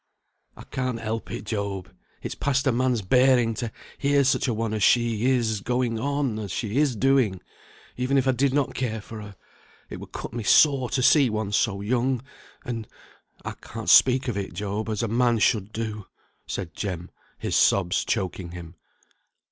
"I can't help it, Job; it's past a man's bearing to hear such a one as she is, going on as she is doing; even if I did not care for her, it would cut me sore to see one so young, and I can't speak of it, Job, as a man should do," said Jem, his sobs choking him.